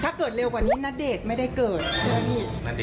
ถ้าเกิดเร็วกว่านี้ณเดชน์ไม่ได้เกิด